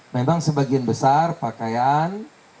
memang sebagian besar pakaian